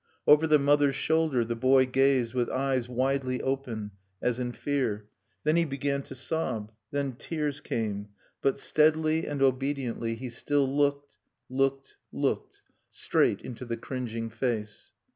Over the mother's shoulder the boy gazed with eyes widely open, as in fear; then he began to sob; then tears came; but steadily and obediently he still looked looked looked straight into the cringing face.